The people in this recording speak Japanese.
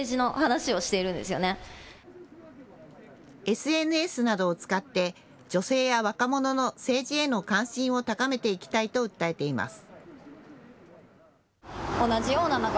ＳＮＳなどを使って、女性や若者の政治への関心を高めていきたいと訴えています。